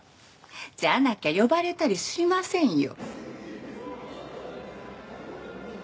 じゃなきゃ呼ばれたりしませんよ。